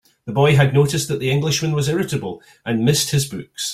The boy had noticed that the Englishman was irritable, and missed his books.